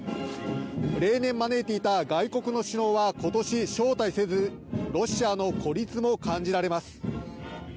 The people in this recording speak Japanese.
例年、招いていた外国の首脳はことし招待せず、ロシアの孤立も感じられます。